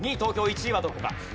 １位はどこか？